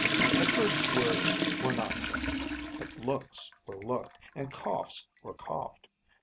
At first words were not said; but looks were looked, and coughs were coughed.